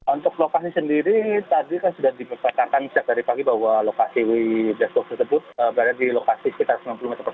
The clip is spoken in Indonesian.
untuk lokasi sendiri tadi kan sudah dimetakan dari pagi bahwa lokasi white box tersebut berada di lokasi sekitar sembilan puluh meter persegi